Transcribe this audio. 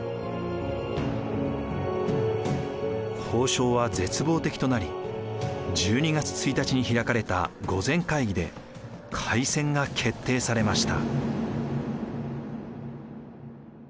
交渉は絶望的となり１２月１日に開かれた御前会議で開戦が決定されました。